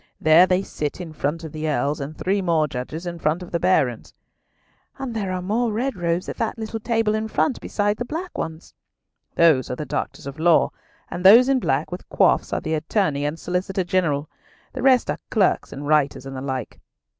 There they sit in front of the Earls, and three more judges in front of the Barons." "And there are more red robes at that little table in front, besides the black ones." "Those are Doctors of Law, and those in black with coifs are the Attorney and Solicitor General. The rest are clerks and writers and the like."